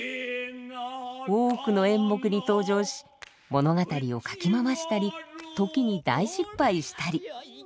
多くの演目に登場し物語をかき回したり時に大失敗したり。